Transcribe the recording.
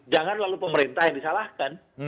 jangan lalu pemerintah yang disalahkan